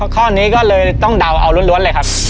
ข้อนี้ก็เลยต้องเดาเอาล้วนเลยครับ